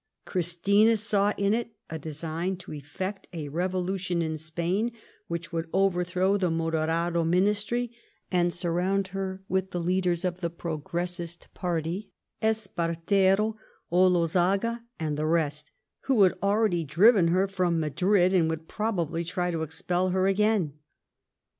Christina saw in it a design to effect a revolution in Spain which V^ would overthrow the Moderado Ministry, and sur round her with the leaders of the Progressist party, Espartero, Olozaga, and the rest, who had already driven her from Madrid, and would probably try to expel her again.